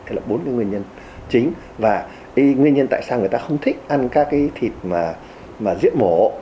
thế là bốn cái nguyên nhân chính và nguyên nhân tại sao người ta không thích ăn các cái thịt mà diễn mổ